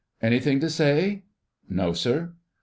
"Anything to say?" "No, sir."